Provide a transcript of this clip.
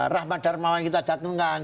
rahmat darmawan kita datangkan